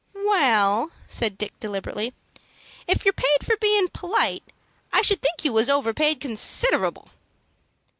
"Well," said Dick, deliberately, "if you're paid anything for bein' polite, I should think you was overpaid considerable."